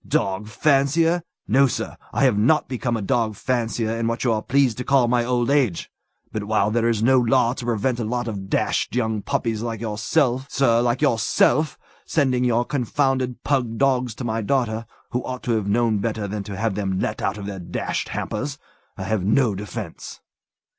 Dog fancier! No, sir! I have not become a dog fancier in what you are pleased to call my old age! But while there is no law to prevent a lot of dashed young puppies like yourself, sir like yourself sending your confounded pug dogs to my daughter, who ought to have known better than to have let them out of their dashed hampers, I have no defence.